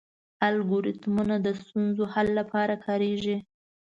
الګوریتمونه د ستونزو حل لپاره کارېږي.